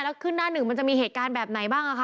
แล้วขึ้นหน้าหนึ่งมันจะมีเหตุการณ์แบบไหนบ้างคะ